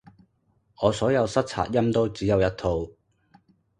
我所有塞擦音都只有一套